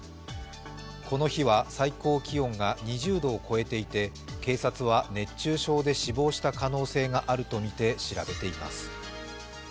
この日は最高気温が２０度を超えていて警察は、熱中症で死亡した可能性があるとみて調べています。